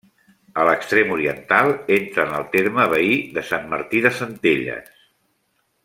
A l'extrem oriental, entra en el terme veí de Sant Martí de Centelles.